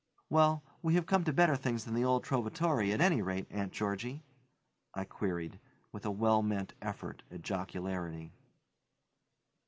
"Well, we have come to better things than the old Trovatore at any rate, Aunt Georgie?" I queried, with a well meant effort at jocularity.